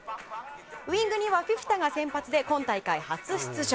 ウイングにはフィフィタが先発で今大会初出場。